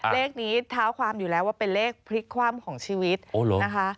เลขนี้เท้าความอยู่แล้วว่าเป็นเลขพลิกคว่ำของชีวิตนะคะ